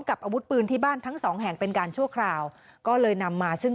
กับอาวุธปืนที่บ้านทั้งสองแห่งเป็นการชั่วคราวก็เลยนำมาซึ่ง